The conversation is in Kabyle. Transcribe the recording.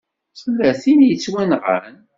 Tella tin i yettwanɣan.